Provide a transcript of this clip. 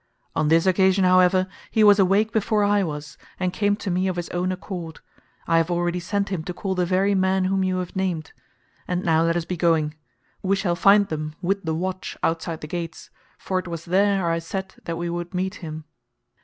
On this occasion, however, he was awake before I was, and came to me of his own accord. I have already sent him to call the very men whom you have named. And now let us be going. We shall find them with the watch outside the gates, for it was there I said that we would meet them."